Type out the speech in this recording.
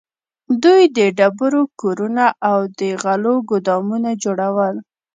دوی د ډبرو کورونه او د غلو ګودامونه جوړول.